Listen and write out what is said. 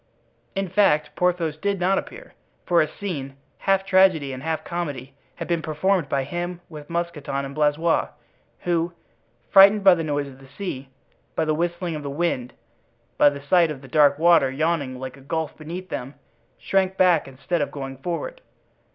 In fact, Porthos did not appear; for a scene, half tragedy and half comedy, had been performed by him with Mousqueton and Blaisois, who, frightened by the noise of the sea, by the whistling of the wind, by the sight of that dark water yawning like a gulf beneath them, shrank back instead of going forward.